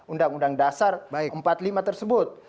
undang undang dasar empat puluh lima tersebut